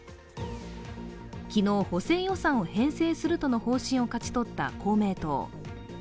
昨日、補正予算を編成するとの方針を勝ち取った公明党。